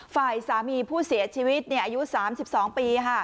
ฝ่ายสามีผู้เสียชีวิตอายุ๓๒ปี